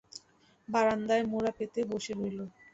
বারান্দায় মোড়া পেতে বসে রইল।